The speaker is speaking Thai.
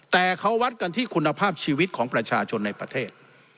แต่เขาวัดกันที่คุณภาพชีวิตของประชาชนในประเทศ